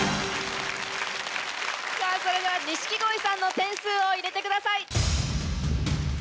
それでは錦鯉さんの点数を入れてください。